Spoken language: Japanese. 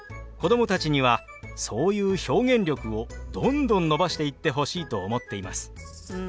子供たちにはそういう表現力をどんどん伸ばしていってほしいと思っています。